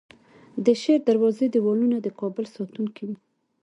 د شیردروازې دیوالونه د کابل ساتونکي وو